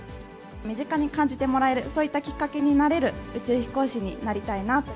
身近に感じてもらえる、そういったきっかけになれる宇宙飛行士になりたいなと。